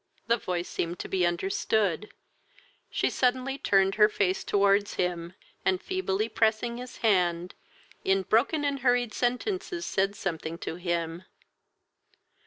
The voice seemed to be understood; she suddenly turned her face towards him, and feebly pressing his hand, in broken and hurried sentences said something to him.